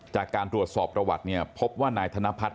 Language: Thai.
จากการตรวจสอบตระหวัดพบว่านายธนพัฒน์